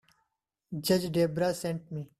Judge Debra sent me.